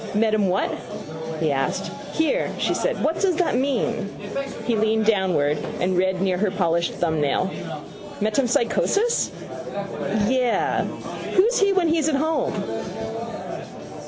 —Met him what? he asked. —Here, she said. What does that mean? He leaned downward and read near her polished thumbnail. —Metempsychosis? —Yes. Who's he when he's at home?